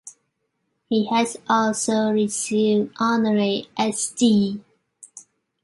He has also received honorary Sc.D.